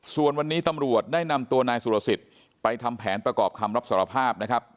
ส่วนวันนี้ตำรวจได้นำตัวนายสุรสิทธิ์ไปทำแผนประกอบคำรับสารภาพนะครับ